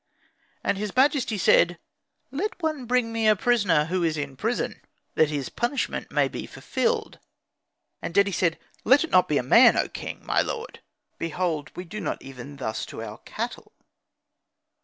And his majesty said, "Let one bring me a prisoner who is in prison, that his punishment may be fulfilled." And Dedi said, "Let it not be a man, O king, my lord; behold we do not even thus to our cattle."